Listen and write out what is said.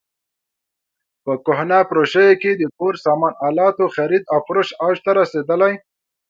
په کهنه فروشیو کې د کور سامان الاتو خرید او فروش اوج ته رسېدلی.